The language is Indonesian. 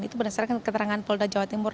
itu berdasarkan keterangan polda jawa timur